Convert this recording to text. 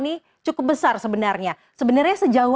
iya kalau kepentingan pemerintah kan salah satu